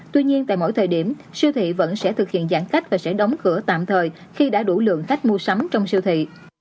tuy nhiên tại mỗi thời điểm siêu thị vẫn sẽ thực hiện giãn cách và sẽ đóng cửa tạm thời khi đã đủ lượng khách mua sắm trong siêu thị